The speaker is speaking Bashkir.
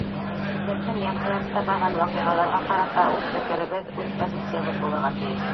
Беҙҙең йәмғиәттә барған ваҡиғаларға ҡарата үҙ фекеребеҙ, үҙ позициябыҙ булырға тейеш.